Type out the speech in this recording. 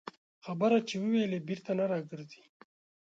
خبره چې ووېلې، بېرته نه راګرځي